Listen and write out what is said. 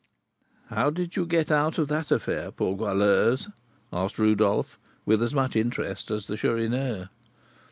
"How did you get out of that affair, poor Goualeuse?" asked Rodolph, with as much interest as the Chourineur.